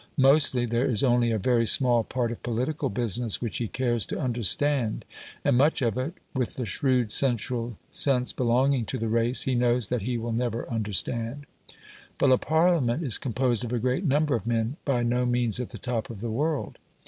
Mostly there is only a very small part of political business which he cares to understand, and much of it (with the shrewd sensual sense belonging to the race) he knows that he will never understand. But a Parliament is composed of a great number of men by no means at the top of the world.